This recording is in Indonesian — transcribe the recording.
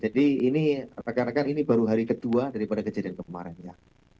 jadi ini rekan rekan ini baru hari kedua daripada kejadian kemarin ya